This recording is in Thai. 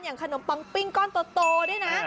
อย่างคนมปังปิ้งก้อนโตนะ